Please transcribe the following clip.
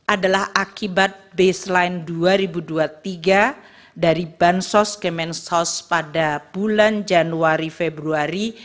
adalah akibat baseline dua ribu dua puluh tiga dari bansos kemensos pada bulan januari februari